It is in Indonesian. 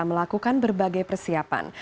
melakukan berbagai persiapan